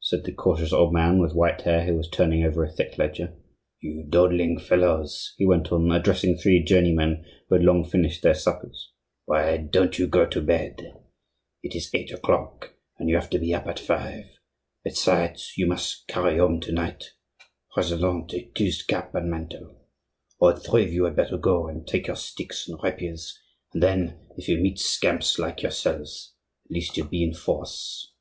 said the cautious old man with white hair who was turning over a thick ledger. "You dawdling fellows," he went on, addressing three journeymen, who had long finished their suppers, "why don't you go to bed? It is eight o'clock, and you have to be up at five; besides, you must carry home to night President de Thou's cap and mantle. All three of you had better go, and take your sticks and rapiers; and then, if you meet scamps like yourselves, at least you'll be in force."